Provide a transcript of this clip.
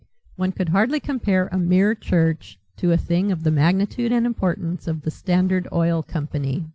One could hardly compare a mere church to a thing of the magnitude and importance of the Standard Oil Company.